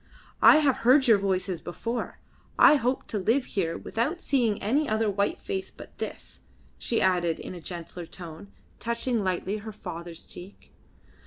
I have heard your voices before. I hoped to live here without seeing any other white face but this," she added in a gentler tone, touching lightly her father's cheek.